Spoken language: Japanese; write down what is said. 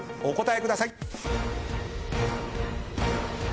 お答えください。